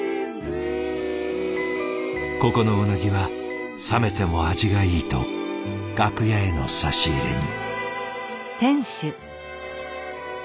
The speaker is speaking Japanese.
ここのうなぎは冷めても味がいいと楽屋への差し入れに。